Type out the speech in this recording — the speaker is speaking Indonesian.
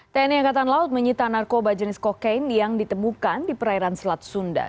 tni angkatan laut menyita narkoba jenis kokain yang ditemukan di perairan selat sunda